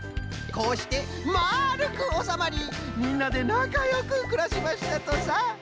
こうしてまるくおさまりみんなでなかよくくらしましたとさ。